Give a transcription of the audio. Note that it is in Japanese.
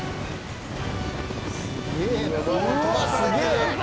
すげえな。